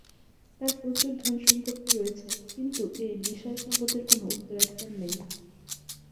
তার প্রচুর ধন সম্পত্তি রয়েছে, কিন্তু এই বিশাল সম্পদের কোনো উত্তরাধিকার নেই।